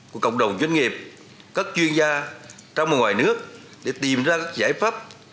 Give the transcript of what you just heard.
của cộng đồng doanh nghiệp các chuyên gia trong và ngoài nước để tìm ra các giải pháp